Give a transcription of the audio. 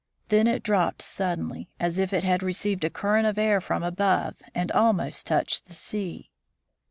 Then it dropped suddenly, as if it had received a current of air from above, and almost touched the sea.